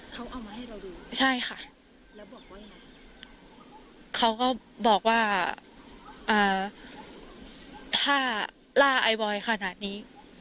เขาเอามาให้เราดูใช่ค่ะเขาก็บอกว่าอ่าถ้าล่าไอบอยขนาดนี้